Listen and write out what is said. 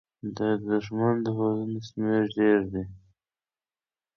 د دښمن د پوځونو شمېر ډېر دی.